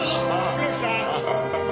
黒木さん！